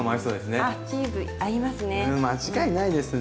あっチーズ合いますね。